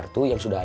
semua ku lah